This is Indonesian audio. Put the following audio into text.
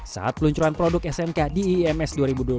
saat peluncuran produk smk di iims dua ribu dua puluh